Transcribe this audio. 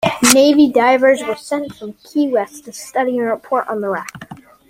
Navy divers were sent from Key West to study and report on the wreck.